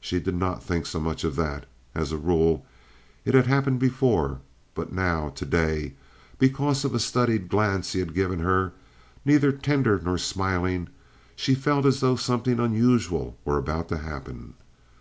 She did not think so much of that, as a rule—it had happened before—but now, to day, because of a studied glance he had given her, neither tender nor smiling, she felt as though something unusual were about to happen.